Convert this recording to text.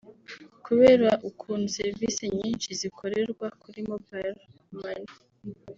Kubera ukuntu serivisi nyinshi zikorerwa kuri Mobile Money